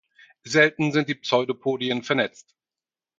Selten sind die Pseudopodien vernetzt.